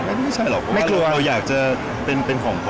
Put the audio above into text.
ไม่ใช่หรอกเพราะว่าเราอยากจะเป็นของพ่อ